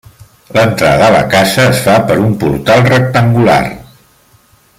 L'entrada a la casa es fa per un portal rectangular.